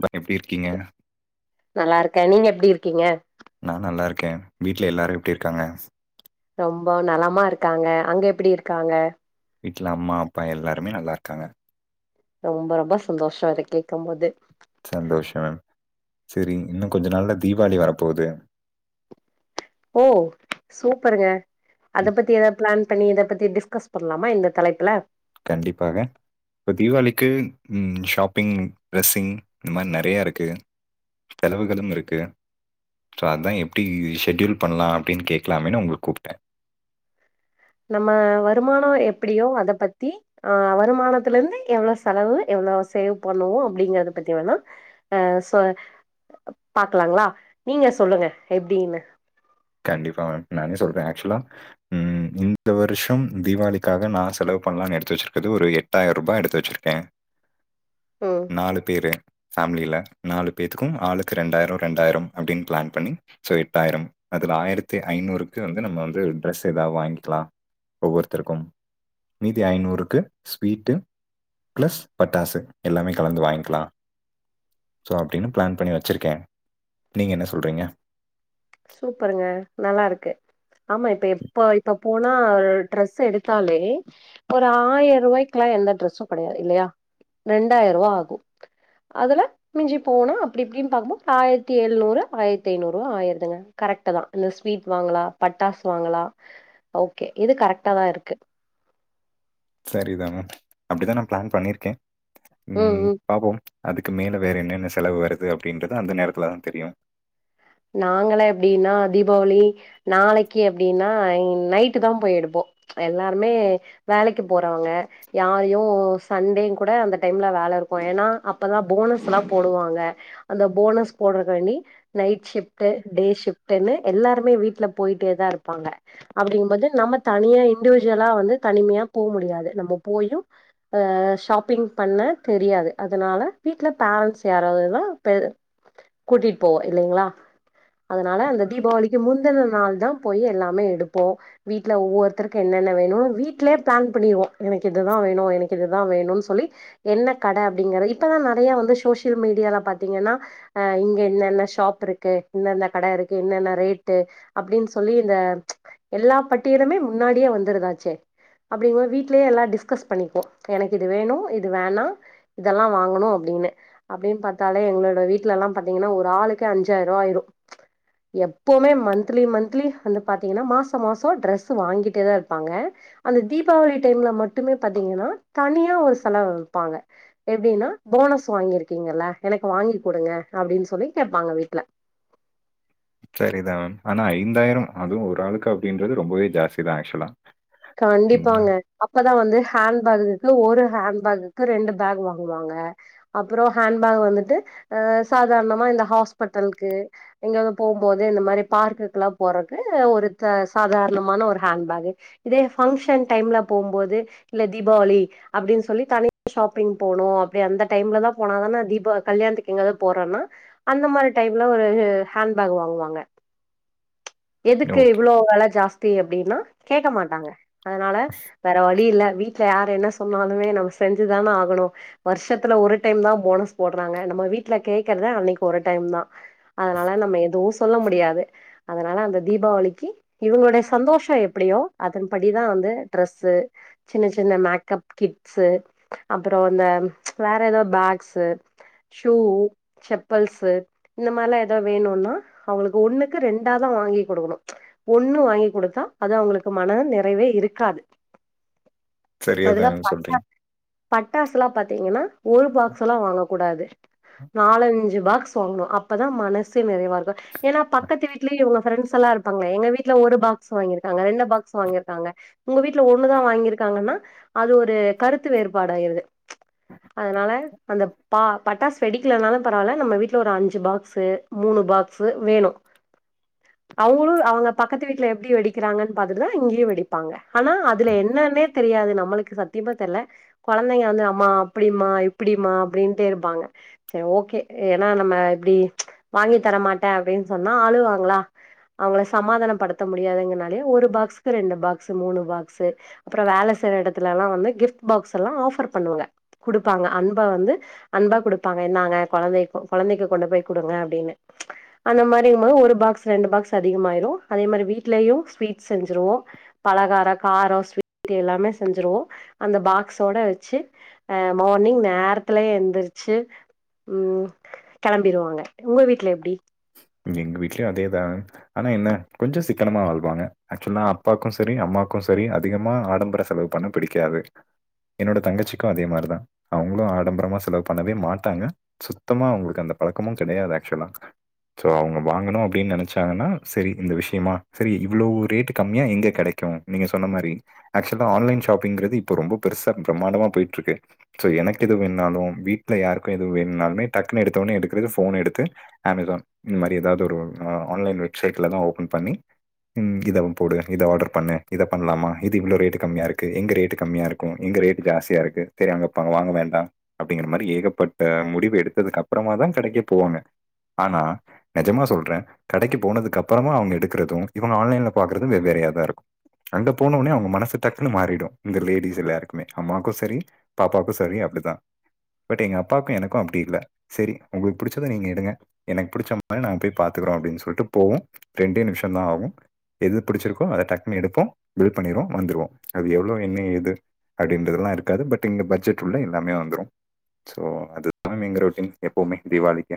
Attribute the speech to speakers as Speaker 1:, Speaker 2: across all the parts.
Speaker 1: ப எப்டி இருக்கீங்க
Speaker 2: நல்லாருக்கே நீங்க எப்டி இருக்கீங்க
Speaker 1: நா நல்லாருக்கே வீட்ல எல்லாரு எப்டியிருக்காங்க
Speaker 2: ரொம்ப நலமா இருக்காங்க அங்க எப்டியிருக்காங்க
Speaker 1: வீட்ல அம்மா அப்பா எல்லாருமே நல்லாயிருக்காங்க
Speaker 2: ரொம்ப ரொம்ப சந்தோஷோ அதா கேக்கும்போது
Speaker 1: சந்தோஷோ செரி இன்னு கொஞ்ச நாள்ல திவாளி வரப்போது
Speaker 2: ஓ சூப்பருங்க அத
Speaker 1: ம்,
Speaker 2: பத்தி எதாத் பிளான் பண்ணி இத பத்தி டிஸ்கஸ் பண்லாமா இந்த தலைப்ல
Speaker 1: கண்டிப்பாக இப்ப தீவாளிக்கு ம் ஷாப்பிங் ட்ரெஸ்ஸிங் இந்த மாரி நெறையா இருக்கு செலவுகளும் இருக்கு சோ அதா எப்டி ஷெடியூல் பண்லா அப்டின் கேக்கலாமேனு உங்ளுக் கூப்ட்டே
Speaker 2: நம்ம வருமானோ எப்டியோ அத பத்தி ஆ வருமானத்துலருந்து எவ்ளோ செலவு எவ்ளோ சேவ் பண்ணுவோ அப்டிங்கறத பத்திவேனா ஆ சோ பாக்கலாங்ளா நீங்க சொல்லுங்க எப்டீனு
Speaker 1: கண்டிப்பா மேம் நானே சொல்றே ஆக்சுலா ம் இந்த வர்ஷம் தீவாளிக்காக நான் செலவு பண்ணலான் எடுத்து வச்சுருக்றது ஒரு எட் டாயிர் ரூபா எடுத்து வச்சுருக்கே
Speaker 2: ம்
Speaker 1: நாலு பேரு ஃபேம்லில நாலு பேத்துக்கும் ஆளுக்கு ரெண்டாயிரோ ரெண்டாயிரம் அப்டின் பிளான் பண்ணி சோ எட்டாயிரம் அதுல ஆயிரத்து ஐநூறுக்கு வந்து நம்ம வந்து ட்ரெஸ் எதாவ் வாங்கிக்லா ஒவ்வொருத்ருக்கும் மீதி ஐநூறுக்கு ஸ்வீட்டு ப்ளஸ் பட்டாசு எல்லாமே கலந்து வாங்கிக்லா சோ அப்டின் பிளான் பண்ணி வச்சுருக்கே நீங்க என்ன சொல்றீங்க
Speaker 2: சூப்பருங்க நல்லாருக்கு ஆமா இப்ப எப்ப இப்ப போனா ட்ரெஸ் எடுத்தாலே ஒரு ஆயர்ரூவாய்க்லா எந்த ட்ரெஸ்சு கெடையா இல்லையா ரெண்டாயிர் ரூவா ஆகு அதுல மிஞ்சி போனா அப்டி இப்டின் பாக்கும்போ ஆயிரத்திஎழுநூறு ஆயர்த் ஐநூறுவா ஆய [unintelligible] கரெக்ட்டு தா இந்த ஸ்வீட் வாங்லா பட்டாசு வாங்கலா ஓக்கே இது கரெக்ட்டா தா இருக்கு
Speaker 1: சரிதான ம் அப்டிதா நா பிளான் பண்ணிருக்கே ம் பாப்போம் அதுக்கு மேல வேற என்னென்ன செலவு வருது அப்டின்றது அந்த நேரத்துல தா தெரியு
Speaker 2: நாங்கலா எப்டின்னா தீபாவளி நாளைக்கு அப்டின்னா இ நைட்டு தா போய் எடுப்போ எல்லாருமே வேலைக்கு போறவங்க யாரையு சண்டே கூட அந்த டைம்ல வேல இருக்கு ஏன்னா அப்பதா போனஸ்லா போடுவாங்க அந்த போனஸ் போட்றக்காணி சிஃப்ட்டு டேசிஃப்ட்டுன்னு எல்லாருமே வீட்டுல போய்ட்டே தா இருப்பாங்க அப்டிங்கும்போது நம்ம தனியா இண்டுவிஜுலா வந்து தனிமியா போ முடியாது நம்ம போயு இப்ப ஷாப்பிங் பண்ண தெரியாது அதனால வீட்ல பேரண்ட்ஸ் யாராவ்துதா பெ கூட்டிட் போவோ இல்லைங்ளா அதனால அந்த தீபாவளிக்கு முந்தன நாள் தா போய் எல்லாமே எடுப்போ வீட்ல ஒவ்வொருத்ருக்கு என்னென்ன வேணு வீட்லயே பிளான் பண்ணிருவோ எனக்கு இதுதா வேணு எனக்கு இதுதா வேணுன் சொல்லி என்ன கட அப்டிங்ற இப்பதா நெறைய வந்து சோசியல் மீடியால பாத்தீங்கன்னா ஆ இங்க என்னென்ன ஷாப் இர் க்கு இந்தந்த கட இருக்கு இன்னென்ன ரேட்டு அப்டின் சொல்லி இந்த எல்லா பட்டியலுமே முன்னாடியே வந்துருதாச்சே அப்டிங் போ வீட்லயே எல்லா டிஸ்கஸ் பண்ணிப்போ எனக்கு இது வேணு இது வேணா இதெல்லா வாங்கணு அப்டின்னு அப்டின் பாத்தாலே எங்ளோட வீட்லெல்லா பாத்தீங்கன்னா ஒரு ஆளுக்கே அஞ் சாயிர்வா ஆயிரு எப்பவ்மே மன்த்லி மன்த்லி வந்து பாத்தீங்னா மாசோ மாசோ ட்ரெஸ் வாங்கிட்டே தா இருப்பாங்க அந்த தீபாவளி டைம்ல மட்டுமே பாத்தீங்கன்னா தனியா ஒரு செலவு வெப்பாங்க எப்டின்னா போனஸ் வாங்கிருக்கீங்கல்ல எனக்கு வாங்கி கொடுங்க அப்டின் சொல்லி கேப்பாங்க வீட் ல
Speaker 1: சரிதா மேம் ஆனா ஐந்தாயிரம் அதுவ் ஒரு ஆளுக்கு அப்டின்றது ரொம்பவே ஜாஸ்தி தா ஆக்சுலா
Speaker 2: கண்டிப்பாங்க அப்பதா வந்து ஹேண்ட் பேகுக்கு ஒரு ஹேண்ட பேகுக்கு ரெண்டு பேக் வாங்குவாங்க அப்பறோ ஹேண்ட்பேக் வந்துட்டு அ சாதாரணமா இந்த ஹாஸ்பெட்டல்க்கு எங்காவ்து போம்போது இந்த மாரி பார்க்குக்குலா போறக்கு ஒருத்த சாதாரணமான ஒரு ஹேண்ட் பேக்கு இதே ஃபங்க்ஷன் டைம்ல போம்போது இல்ல தீபாவளி அப்டின் சொல்லி தனி [inaudible] ஷாப்பிங் போனு அப்டி அந்த டைம்ல தா போனாதான தீபா கல்யாண்த்துக்கு எங்காவது போறோன்னா அந்த மாரி டைம்ல ஒரு ஹேண்ட்பேக் வாங்குவாங்க எதுக்கு
Speaker 1: ஓகே.
Speaker 2: இவ்ளோ வெல ஜாஸ்தி அப்டினா கேக்க மாட்டாங்க அதனால வேற வழி இல்ல வீட்டுல யாரு என்ன சொன்னாலுமே நம்ம செஞ்சுதான ஆகணு வர்ஷத்துல ஒரு டைம் தா போனஸ் போட்றாங்க நம்ம வீட்டுல கே்கறத அன்னைக்கு ஒரு டைம் தா அதனால நம்ம எதுவு சொல்ல முடியாது அதனால அந்த தீபாவளிக்கி இவங்களுடைய சந்தோஷம் எப்டியோ அதன் படிதா வந்து ட்ரெஸ்ஸு சின்ன சின்ன மேக்கப் கிட்ஸு அப்புறோ அந்த வேற ஏதோ பேக்ஸு ஷு செப்பல்ஸு இந்த மாரிலா ஏதாவ வேணுன்னா அவங்ளுக்கு ஒண்ணுக்கு ரெண்டாதா வாங்கி குடுக்கணு ஒண்ணு வாங்கி குடுத்தா அது அவங்ளுக் மன நிறைவே இருக்காது
Speaker 1: சரியா
Speaker 2: அதுல
Speaker 1: தான் சொல்றீங்க.
Speaker 2: பட்டாஸ் பட்டாசுல்லா பாத்தீங்கன்னா ஒரு பாக்ஸ்ஸெல்லா வாங்க கூடாது நாலஞ்சு பாக்ஸ் வாங்னு அப்பதா மனசு நிறைவா இருக்கும் ஏன்னா பக்கத்து வீட்டுலயே இல்ங்க ஃப்ரெண்ட்ஸ்ஸல்லா இருப்பாங்க எங்க வீட்டுல ஒரு பாக்ஸ் வாங்கிருக்காங்க ரெண்டு பாக் ஸ் வாங்கிருக்காங்க உங்க வீட்டுல ஒண்ணுதா வாங்கிருக்காங்கன்னா அது ஒரு கருத்து வேறுபாடு ஆயிருது அதனால அந்த பா பட்டாஸ் வெடிக்கலனாலு பரவால்ல நம்ம வீட்டுல ஒரு அஞ்சு பாக்ஸ்ஸு மூணு பாக்ஸ்ஸு வேணும் அவங்ளு அவங்க பக்கத்து வீட்டுல எப்டி வெடிக்கிறாங்கன் பாத் தா இங்யு வெடிப்பாங்க ஆனா அதுல என்னான்னே தெரியாது நம்மளுக்கு சத்தியமா தெர்ல கொழந்தைங்க வந்து அம்மா அப்டிம்மா இப்டிமா அப்டின்ட்டே இருப்பாங்க சரி ஓகே ஏனா நம்ம இப்டி வாங்கி தரமாட்டே அப்டின் சொன்னா ஆளுவாங்ளா அவங்கள சமாதானம் படுத்த முடியாதுங்கறனாலே ஒரு பாக்ஸ்க்கு ரெண்டு பாக்ஸ்ஸு மூணு பாக்ஸ்ஸு அப்புறம் வேலை செய்யற இடத்துல எல்லா வந்து கிஃப்ட் பாக்ஸ் எல்லா ஆஃபர் பண்ணுங்க குடுப்பாங்க அன்ப வந்து அன்பா குடுப்பாங்க இன்னாங்க கொழந்தை கொழந்தைக்கு கொண்டு போய் குடுங்க அப்டின்னு அந்த மாரிமா ஒரு பாக்ஸ் ரெண்டு பாக்ஸ் அதிகமாயிரு அதே மாதிரி வீட்லேயும் ஸ்வீட்ஸ் செஞ்சிருவோ பலகார காரோ ஸ்வீட்டு எல்லாமே செஞ்சருவோ அந்த பாக்ஸோட வெச்சு அஹ் மார்னிங் நேர்த்துலையே எந்திர்ச்சு ம் கெளம்பிருவாங்க உங்க வீட்ல எப்டி
Speaker 1: எங் வீட்லியு அதேதா ஆனா என்ன கொஞ்சம் சிக்கனமா வாழ்வாங்க ஆக்சுவல அப்பாக்கு சரி அம்மாக்கு சரி அதிகமா ஆடம்பர செலவு பண்ண பிடிக்காது என்னோட தங்கச்சிக்கு அதே மாரிதா அவ்ங்ளு ஆடம்பரமா செலவு பண்ணவே மாட்டாங்க சுத்தமா அவங்களுக்கு அந்த பழக்கமு கெடையாது ஆக்சுவலா சோ அவங்க வாங்கணு அப்டின் நெனைச்சாங்கன்னா சரி இந்த விஷயமா சரி இவ்ளோ ரேட்டு கம்மியா எங்க கெடைக்கு நீங்க சொன்ன மாரி ஆக்சுவலா ஆன்லைன் ஷாப்பிங்கறது இப்ப ரொம்போ பெருசா பிரமாண்டமா போயிட்டுருக்கு சோ எனக்கு எது வேண்ணாலு வீட்ல யாருக்கு எதுவு வேண்ணாலுமே டக்குனு எடுத்தோடனே எடுக்கறது போன எடுத்து அமேசான் இந்த மாரி ஏதாவது ஒரு ஆன்லைன் வெப்சைட்லதா ஓபன் பண்ணி ம் இதவ போடு இத ஆர்டர் பண்ணு இத பண்ணலாம இது இவ்ளோ ரேட்டு கம்மியாருக்கு எங்க ரேட்டு கம்மியாருக் கு இங்க ரேட் ஜாஸ்தியா இருக்கு சரிஅப்ப அங்க வாங்க வேண்டாம் அப்டிங்கற மாரி ஏகப்பட்ட முடிவு எடுத்ததுக்கு அப்புறம தா கடைக்கே போவாங்க ஆனா நெஜமா சொல்றே கடைக்கு போனதுக்கு அப்பறமா அவங்க எடுக்கறது இவங்க ஆன்லைன்ல பாக்றதும் வெவ்வேறயா தா இருக்கும் அங்க போன உட்னே அவங்க மனசு டக்குன்னு மாறிடும் இந்த லேடிஸ் எல்லாருக்குமே அம்மாக்கும் சரி பாப்பாக்கும் சரி அப்டித்தா பட் எங்க அப்பாக்கு எனக்கு அப்டி இல்லை செரி உங்களுக்கு பிடிச்சது நீங்க எடுங்க எனக்கு பிடிச்ச மா ரி நாங்க போய் பாத்துக்குறோ அப்டின் சொல்ட்டு போவோ ரெண்டே நிம்ஷதா ஆகு எது புடிச்சிருக்கோ அதை டக்குன்னு எடுப்போம் பில் பண்ணிருவோ முடிஞ்சிருவோ அது எவ்வளவு எண்ண ஏது அப்படின்றதெல்லா இருக்காது பட் இங்க பட்ஜெட்வுள்ள எல்லாமே வந்துரு சோ அதுதான் எங்க ரொட்டீன் எப்பவுமே தீபாவளிக்கு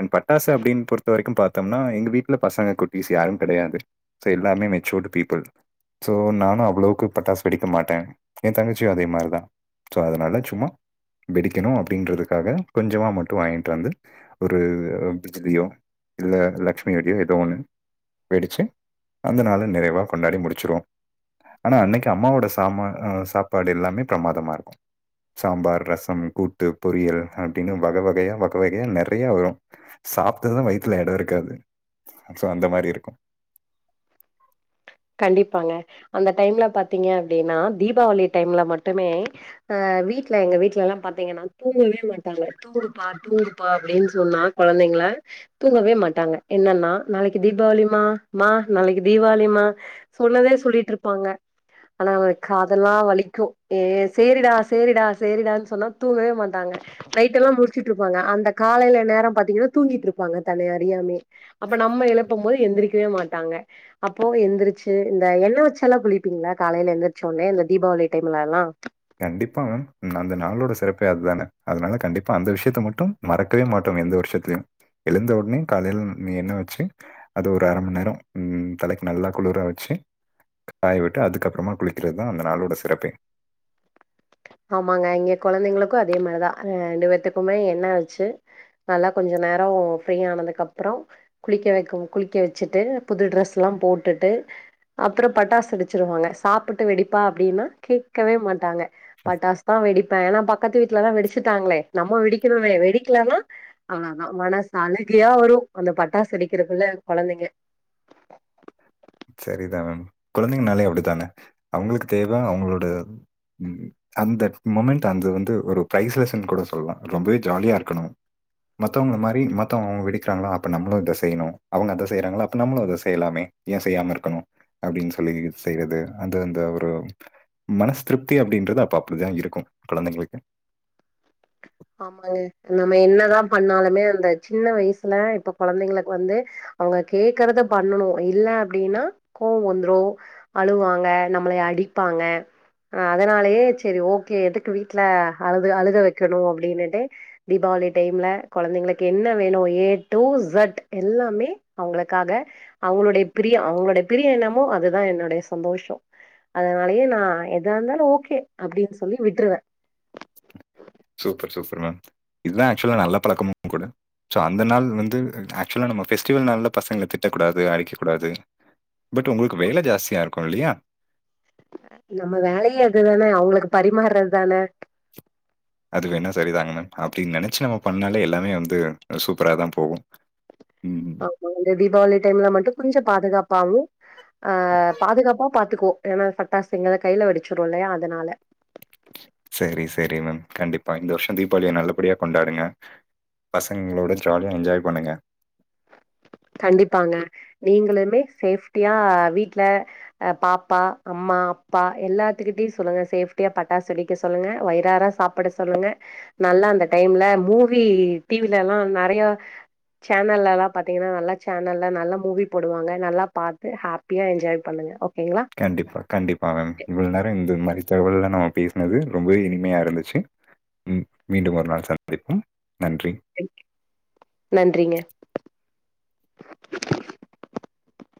Speaker 1: அண்ட் பட்டாசு அப்படின் பொறுத்த வரைக்கு பாத்தோம்னா எங்க வீட்ல பசங்க குட்டீஸ் யாரு கிடையாது எல்லாமே மெச்சூடு பீப்புள் சோ நானு அவ்ளோக்கு பட்டாசு வெடிக்க மாட்டே என் தங்கச்சியு அதே மாரிதா சோ அதனால சும்மா வெடிக்கணு அப்படின்றதுக்காக கொஞ்சமாக மட்டு வாங்கிட்டு வந்து ஒரு பஜ்லியோ இல்ல லக்ட்சுமி வேடியோ எதோ ஒண்ணு வெடிச்சு அந்த நாள நிறைவா கொண்டாடி முடிச்சிருவோ ஆனா அன்னைக்கு அம்மாவோட சாப்பாடு எல்லாமே பிரமாதமா இருக்கு சாம்பார் ரசம் கூட்டு பொரியல் அப்படின்னு வக வகையா வக வகையா நிறைய வரு சாப்பிட்டதா வயித்துல இடோ இருக்காது சோ அந்த மாரி இருக்கு
Speaker 2: கண்டிப்பாங்க அந்த டைம்ல பார்த்தீங்க அப்படின்னா தீபாவளி டைம்ல மட்டுமே அ வீட்டுல எங்க வீட்டுல எல்லா பாரத்தீங்கன்னா தூங்கவே மாட்டாங்க தூங்குப்பா தூங்குப்பா அப்படின்னு சொன்னா குழந்தைங்களா தூங்கவே மாட்டாங்க என்னன்னா நாளைக்கு தீபாவளி மா மா. நாளைக்கு தீபாவளி மா. சொன்னதே சொல்லிட்டு இருப்பாங்க. ஆனா அவ காதெல்லா வலிக்கு ஏ சேரிடா சேரிடா சேரிடான்னு சொன்னா தூங்கவே மாட்டாங்க நைட் எல்லா முழிச்சிட்டு இருப்பாங்க அந்த காலைல நேரோ பார்த்தீங்கன்னா தூங்கிட்டு இருப்பாங்க தன்னை அறியாமையே அப்ப நம்ம எழுப்பும்போது எந்திரிக்கவே மாட்டாங்க அப்பவு எந்திரி சேரி இந்த எண்ணெய் வச்சால குளிப்பீங்களா காலையில எழுந்திருச்ச உடனே இந்த தீபாவளி டைம்ல எல்லா
Speaker 1: கண்டிப்பா மேம் அந்த நாளோட சிறப்பே அதானே அதனால கண்டிப்பா அந்த விஷயத்தை மட்டும் மறக்கவே மாட்டோ எந்த வருஷத்தையு எழுந்த உடனே காலையில நீ என்ன வச்சு அது ஒரு அரை மணி நேரோ தலைக்கு நல்லா குளிர வச்சே காய விட்டு அதுக்கப்பறமா குளிக்கிறதா அந்த நாளோட சிறப்பே
Speaker 2: ஆமாங்க இங்க குழந்தைங்களுக்குஅதே மாதிரிதா ரெண்டு பேத்துக்குமே என்ன வச்சி நல்லா கொஞ்ச நேரோ ஃப்ரீய ஆனதுக்கு அப்றோ குளிக்க வைக்க குளிக்க வச்சுட்டு புது டிரஸ் எல்லா போட்டுட்டு அப்புறோ பட்டாசு வெடிச்சிருவாங்க சாப்டுட்டு வெடிப்பா அப்படின்னா கேட்கவே மாட்டாங்க பட்டாஸ் தா வெடிப்பே ஏன்னா பக்கத்து வீட்டுலதா வெடிச்சுட்டாங்களே நம்ம வெடிக்கணுமே வெடிக்கலனா அவ்வளதா மனசு அழகயா வரு அந்த பட்டாசு அடிக்கிறதுகுள்ள குழந்தைங்க
Speaker 1: சரிதா மேம் குழந்தைங்கனாலே அப்படிதானே அவங்களுக்கு தேவை அவங்களோட அந்த முமெண்ட் அது வந்து ஒரு பிரைஸ்லெஸ்ன்னு கூட சொல்லலா ரொம்பவே ஜாலியா இருக்கணு மத்தவங்க மாரி மத்தவங்க வெடிகிறாங்க அப்ப நம்மளு இதை செய்யணு அவங்க அதை செய்றாங்களா அப்ப நம்மளு அதை செய்யலாமே ஏன் செய்யாம இருக்கணு அப்படினு சொல்லி செய்யறது அது வந்து ஒரு மனசு திருப்தி அப்படிங்கறது அப்ப அப்பதா இருக்கு குழந்தைகளுக்கு
Speaker 2: ஆமாலு நம்ம என்னதா பண்ணாலுமே அந்த சின்ன வயசுல இப்ப குழந்தைங்களுக்கு வந்து அவங்க கேக்கறத பண்ணனு இல்ல அப்படின்னா கோவோ வந்துரு அழுவாங்க நம்மள அடிப்பாங்க அ அதனால சரி ஓகே எதுக்கு வீட்ல அழுக வைக்கணு அப்படின்னுட்டு தீபாவளி டைம்ல குழந்தைங்களுக்கு என்ன வேணு ஏ டூ ஜட் எல்லாமே அவங்களுக்காக அவங்களுடைய பிரியோ அவங்களுடைய பிரியோ என்னமோ அதுதா என்னுடைய சந்தோஷம் அதனாலயே நான் எதா இருந்தாலு ஓகே அப்படின்னு சொல்லி விட்டுருவே
Speaker 1: சூப்பர் சூப்பர்மேம் இதுதா ஆக்சுவலா நல்ல பழக்கமு கூட சோ அந்த நாள் வந்து ஆக்சுவலா நம்ம பெஸ்டிவல் நாள்ல பசங்கள திட்டகூடாது அடிக்ககூடாது பட் உங்களுக்கு வேல ஜாஸ்தியா இருக்கு இல்லையா
Speaker 2: நம்ம வேலையே அதுதானே அவங்களுக்கு பரிமாறது தானே
Speaker 1: அது வேணா சரிதாங்க மேம் அப்டின் நெனைச்சு நம்ம பண்ணாலே எல்லாமே வந்து சூப்பராதா போகு
Speaker 2: [inaudible] அவுங்கள இந்த தீபாவளி டைம்ல மட்டு கொஞ்ச பாதுகாப்பாவு அ பாதுகாப்பா பாத்துக்குவோ ஏனா ஃபட்டாசுங்கள கைல வெடிச்சுடு இல்லையா அதனால
Speaker 1: செரி செரி மேம் கண்டிப்பா இந்த வர்ஷோ தீபாவளிய நல்லபடியா கொண்டாடுங்க பசங்களோட ஜாலியா என்ஜாய் பண்ணுங்க
Speaker 2: கண்டிப்பாங்க நீங்களுமே சேஃப்ட்டியா வீட்ல அ பாப்பா அம்மா அப்பா எல்லாத்துக்கிட்டயு சொல்லுங்க சேஃப்டியா பட்டாசு வெடிக்க சொல்லுங்க வயிறார சாப் பிட சொல்லுங்க நல்லா அந்த டைம்ல மூவி டி வில எல்லா நறையா னல்லலா பாத்தீங்கன்னா நல்லா சேனல்ல நல்லா மூவி போடுவாங்க நல்லா பாத்து ஹாப்பியா என்ஜாய் பண்ணுங்க ஓகேங்களா
Speaker 1: கண்டிப்பா கண்டிப்பா மேம் இவ்ளோ நேரோ இந்த மாரி தகவல்லா நம்ம பேசுனது ரொம்பவே இனிமையா இருந்துச்சு ம் மீண்டும் ஒரு நாள் சந்திப்போம் நன்றி
Speaker 2: [inaudible] நன்றிங்க